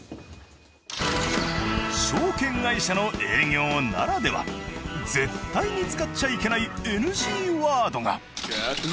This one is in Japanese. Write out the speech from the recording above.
証券会社の営業ならでは絶対に使っちゃいけないＮＧワードが。